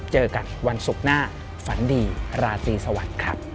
เจอกันวันศุกร์หน้าฝันดีราตรีสวัสดิ์ครับ